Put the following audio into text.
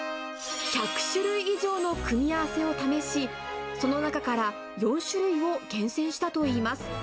１００種類以上の組み合わせを試し、その中から４種類を厳選したといいます。